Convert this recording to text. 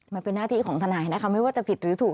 ไม่ว่าจะผิดอีกหรือถูก